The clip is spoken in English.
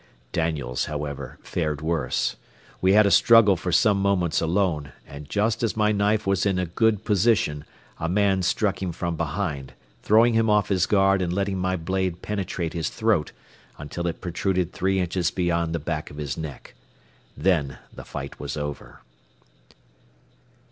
Daniels, however, fared worse. We had a struggle for some moments alone, and just as my knife was in a good position a man struck him from behind, throwing him off his guard and letting my blade penetrate his throat until it protruded three inches beyond the back of his neck. Then the fight was over.